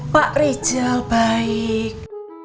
pak rijal baik